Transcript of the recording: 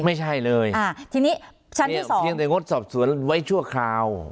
ไม่ใช่เลยทีนี้เนี่ยเพียงแต่งดสอบสวนไว้ชั่วคราว